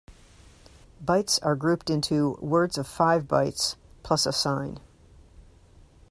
Bytes are grouped into words of five bytes plus a sign.